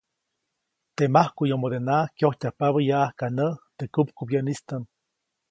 Teʼ majkuʼyomodenaʼk kyojtyajpabä yaʼajka näʼ teʼ kupkubyäʼnistaʼm.